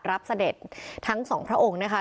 เสด็จทั้งสองพระองค์นะคะ